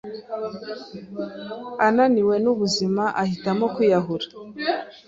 ananiwe n'ubuzima ahitamo kwiyahura